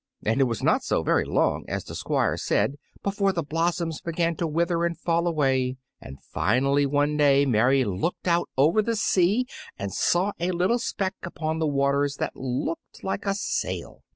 And it was not so very long, as the Squire said, before the blossoms began to wither and fall away; and finally one day Mary looked out over the sea and saw a little speck upon the waters that looked like a sail.